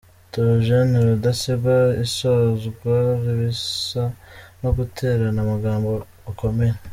Theogene Rudasingwa, isozwa n’ibisa no guterana amagambo gukomeye.